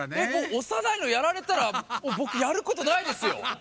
おさないのやられたらもうぼくやることないですよ。